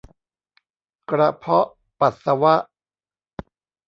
กระเพาะปัสสาวะ